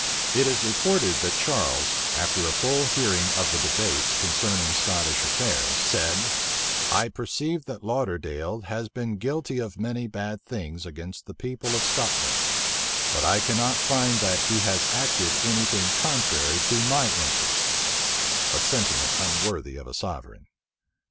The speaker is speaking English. It is reported[*] that Charles, after a full hearing of the debates concerning Scottish affairs, said, "I perceive that Lauderdale has been guilty of many bad things against the people of Scotland; but I cannot find that he has acted any thing contrary to my interest;" a sentiment unworthy of a sovereign. * Burnet.